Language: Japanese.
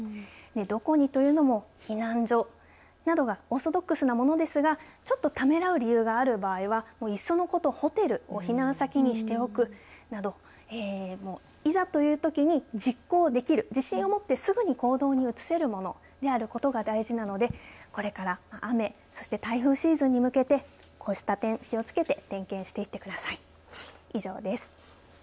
どこにというのも、避難所などがオーソドックスなものですがちょっとためらう理由がある場合はいっそのことホテルを避難先にしておくなどいざというときに実行できる、自信を持ってすぐに行動に移せるものであることが大事なのでこれから雨そして台風シーズンに向けてこうした点、気をつけて点検していってください。